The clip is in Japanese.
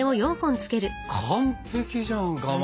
完璧じゃんかまど。